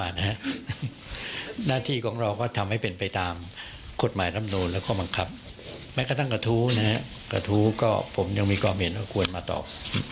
เรื่องกระทู้นะครับกระทู้ก็ผมยังมีความเห็นว่าควรมาตอบ